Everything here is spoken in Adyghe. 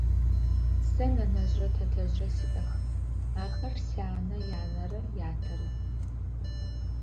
Сэ нэнэжърэ тэтэжърэ сиӏэх, ахэр сянэ янэрэ ятэрэ.